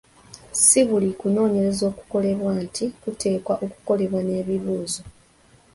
Si buli kunoonyereza okukolebwa nti kuteekwa okukolebwako n’ebibuuzo.